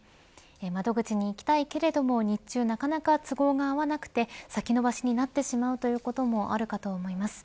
窓口に行きたいけれども日中なかなか都合が合わなくて先延ばしになってしまうということもあるかと思います。